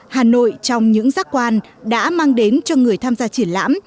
hà nội trong những giác quan đã mang đến cho người tham gia triển lãm